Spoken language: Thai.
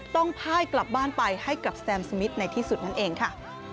พ่ายกลับบ้านไปให้กับสแตมสมิทในที่สุดนั่นเองค่ะ